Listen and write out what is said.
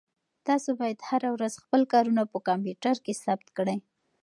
تاسو باید هره ورځ خپل کارونه په کمپیوټر کې ثبت کړئ.